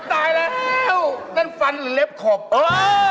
โอ๊ยตายแล้วนั่นฟันหรือเล็บขมกัน